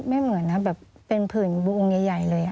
เหมือนนะแบบเป็นผื่นบูงใหญ่เลย